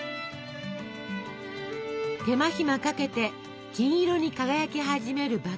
手間暇かけて金色に輝き始める麦芽あめ。